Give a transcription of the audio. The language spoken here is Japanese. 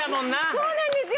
そうなんですよ！